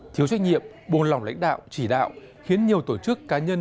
thiếu trách nhiệm buồn lòng lãnh đạo chỉ đạo khiến nhiều tổ chức cá nhân